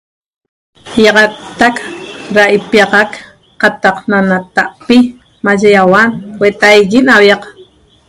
Ýi'axattac ra ipiaxac qataq na nata'pi maye ýauan huetaigui na aviaq